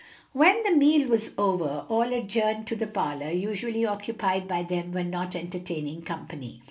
When the meal was over, all adjourned to the parlor usually occupied by them when not entertaining company.